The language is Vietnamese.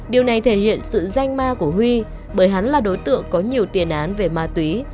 điều này thể hiện sự danh ma của huy bởi hắn là đối tượng có nhiều tiền án về ma túy